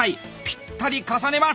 ぴったり重ねます。